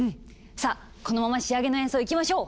さあこのまま仕上げの演奏いきましょう！